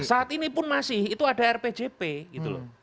saat ini pun masih itu ada rpjp gitu loh